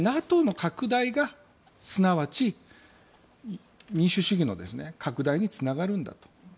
ＮＡＴＯの拡大がすなわち民主主義の拡大につながるんだと。